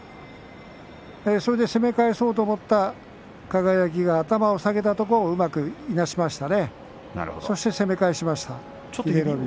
それで攻め返そうと思った輝が頭を下げたところをうまくいなしました。